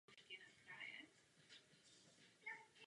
Po celou dobu byl zaměstnán jako dělník.